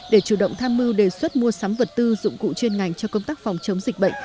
để chủ động tham mưu đề xuất mua sắm vật tư dụng cụ chuyên ngành cho công tác phòng chống dịch bệnh